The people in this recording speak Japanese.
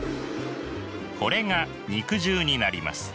これが肉汁になります。